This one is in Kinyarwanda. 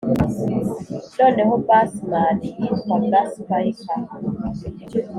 noneho bass man yitwaga spiker